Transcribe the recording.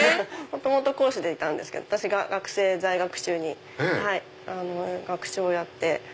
元々講師でいたんですけど私が在学中に学長をやって。